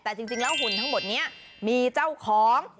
แต่จริงแล้วหุ่นทั้งหมดนี้มีเจ้าของ